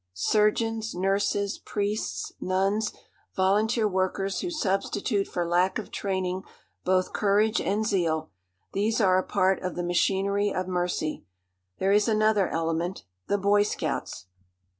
Surgeons, nurses, priests, nuns, volunteer workers who substitute for lack of training both courage and zeal, these are a part of the machinery of mercy. There is another element the boy scouts.